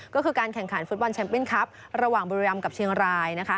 ก็คือการแข่งขาลฟุตบอลเชมปิ้นคลับระหว่างบริยามกับเชียงราย